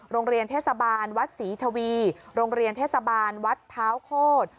โรงเรียนเทศบาลวัดศรีทวีโรงเรียนเทศบาลวัดเท้าโคตร